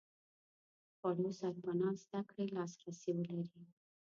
خوړو سرپناه زده کړې لاس رسي ولري.